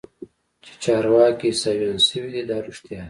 چې چارواکي عيسويان سوي دي دا رښتيا ده.